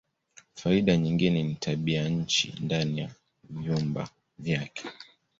Faida nyingine ni tabianchi ndani ya vyumba vyake.